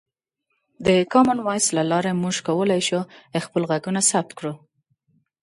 د کامن وایس له لارې موږ کولی شو خپل غږونه ثبت کړو.